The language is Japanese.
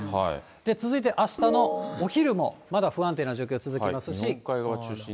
続いてあしたのお昼もまだ不安定な状況、続きますし。